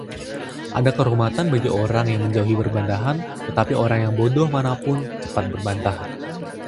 Ada kehormatan bagi orang yang menjauhi perbantahan, tetapi orang bodoh mana pun cepat berbantah.